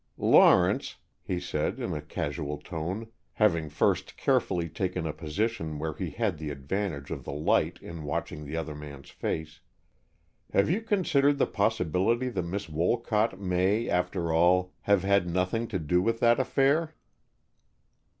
"Lawrence," he said, in a casual tone, having first carefully taken a position where he had the advantage of the light in watching the other man's face, "have you considered the possibility that Miss Wolcott may, after all, have had nothing to do with that affair?"